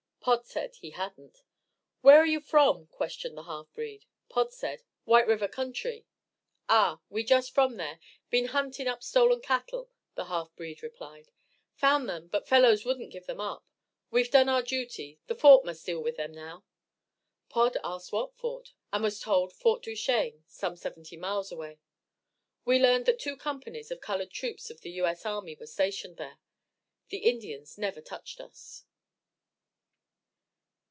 Pod said he hadn't. "Where you from?" questioned the half breed. Pod said: "White River country." "Ah, we just from there been hunting up stolen cattle," the half breed replied. "Found them, but fellows wouldn't give them up. We've done our duty; the fort must deal with them now." Pod asked what fort, and was told Fort Duchesne, some seventy miles away. We learned that two companies of colored troops of the U. S. army were stationed there. The Indians never touched us.